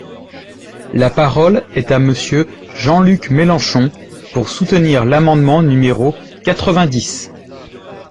La parole est à Monsieur Jean-Luc Mélenchon, pour soutenir l’amendement numéro quatre-vingt-dix.